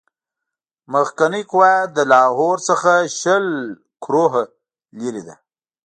مخکنۍ قوه یې له لاهور څخه شل کروهه لیري ده.